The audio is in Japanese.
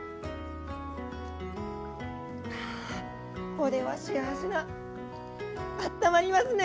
これは幸せなあったまりますね！